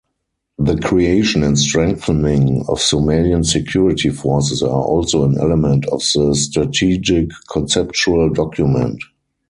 The creation and strengthening of Somalian security forces are also an element of the strategic conceptual document.